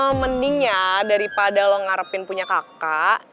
ehm mending ya daripada lo ngarepin punya kakak